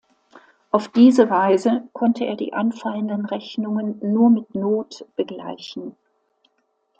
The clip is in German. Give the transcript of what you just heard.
Auf diese Weise konnte er die anfallenden Rechnungen nur mit Not begleichen.